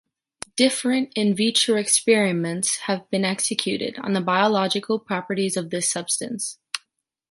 Different “in vitro” experiments have been executed, on the biological properties of this substance.